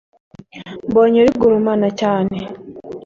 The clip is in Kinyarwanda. mbonye rigurumana cyane